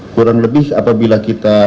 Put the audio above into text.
kurang lebih apabila kita